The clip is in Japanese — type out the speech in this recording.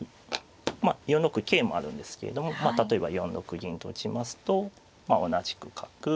まあ４六桂もあるんですけれども例えば４六銀と打ちますと同じく角。